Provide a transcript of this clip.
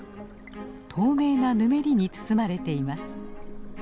透明なぬめりに包まれています。